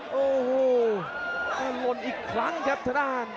โอ้ปิดล้อมอีกครั้งครับเทดาย